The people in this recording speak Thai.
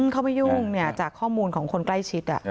เข้าไปยุ่งจากข้อมูลของคนใกล้ชิด